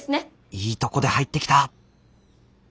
いいとこで入ってきた！